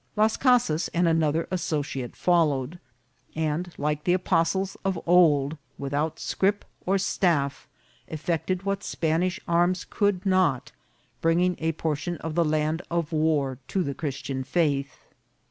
Las Casas and another associate followed, and, like the apostles of old, without scrip or staff, effected what Spanish arms could not, bringing a portion of the Land of War to the Christian faith.